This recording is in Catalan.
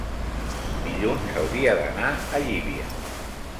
dilluns hauria d'anar a Llívia.